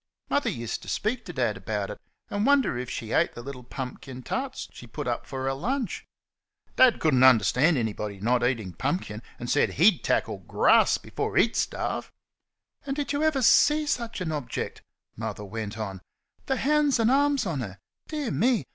Mother used to speak to Dad about it, and wonder if she ate the little pumpkin tarts she put up for her lunch. Dad could n't understand anyone not eating pumpkin, and said HE'D tackle GRASS before he'd starve. "And did ever y' see such a object?" Mother went on. "The hands an' arms on her! Dear me!